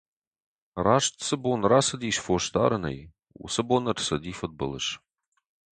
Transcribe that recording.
Раст цы бон рацыдис фосдарӕнӕй, уыцы бон ӕрцыди фыдбылыз.